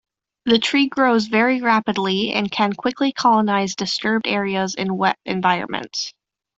The tree grows very rapidly and can quickly colonize disturbed areas in wet environments.